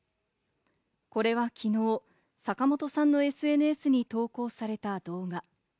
これは昨日、坂本さんのＳＮＳに投稿された動画。